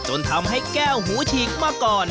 จนทำให้แก้วหูฉีกมาก่อน